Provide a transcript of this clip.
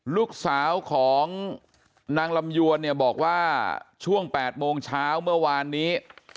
ลูกสาวของนางลำยวนเนี่ยบอกว่าช่วง๘โมงเช้าเมื่อวานนี้